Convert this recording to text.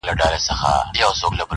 په تنور کي زېږېدلي په تنور کي به ښخیږي،